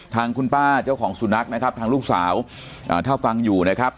ทางคุณป้าเจ้าของสุนัขนะครับทางลูกสาวถ้าฟังอยู่นะครับ